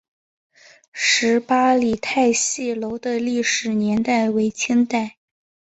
十八里汰戏楼的历史年代为清代。